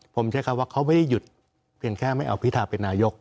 ผมใช้คำว่าเขาไม่ได้หยุดเพียงแค่ไม่เอาพิธาเป็นนายก